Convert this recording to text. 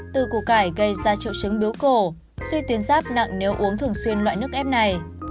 từ củ cải gây ra triệu chứng biếu cổ suy tuyến giáp nặng nếu uống thường xuyên loại nước ép này